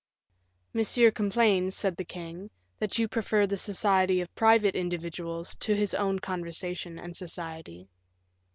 "Monsieur complains," said the king, "that you prefer the society of private individuals to his own conversation and society."